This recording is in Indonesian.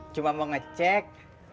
cuma mau ngecek